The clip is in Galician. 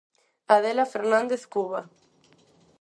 Adela Fernández Cuba.